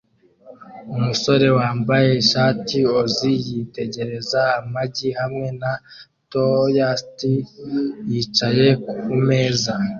Umusore wambaye ishati "Ozzy" yitegereza amagi hamwe na toast yicaye kumeza